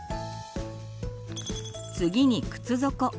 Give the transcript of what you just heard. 次に靴底。